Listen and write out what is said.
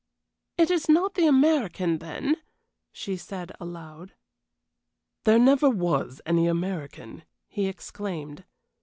"It is not the American, then?" she said, aloud. "There never was any American," he exclaimed.